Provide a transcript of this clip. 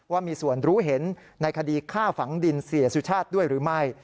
ว่ามีส่วนรู้เห็นในคดีฆ่าฝังดินเสียสุชาติด้วยหรือไม่